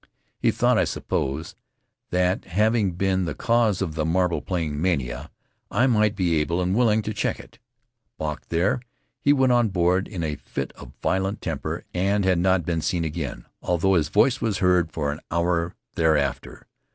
He thought. Faery Lands of the South Seas I suppose, that, having been the cause of the marble playing mania, I might be able and willing to check it. Balked there, he went on board in a fit of violent temper and had net been seen again, although his voice was heard for an hour thereafter.